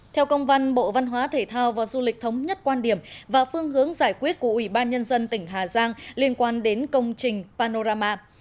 theo công văn bộ văn hóa thể thao và du lịch thống nhất quan điểm và phương hướng giải quyết của ubnd tỉnh hà giang liên quan đến công trình panorama